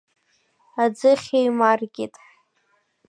Аӡыхь еимаркит…